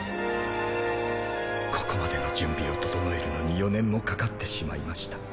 ここまでの準備を整えるのに４年もかかってしまいました。